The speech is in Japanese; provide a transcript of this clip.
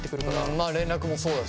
まあ連絡もそうだし。